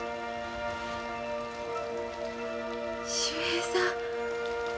秀平さん。